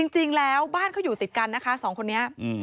จริงแล้วบ้านเขาอยู่ติดกันนะคะสองคนนี้